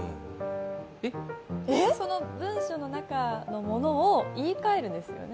文章の中のものを言いかえるんですよね。